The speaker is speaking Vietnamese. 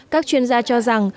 các chuyên gia cho rằng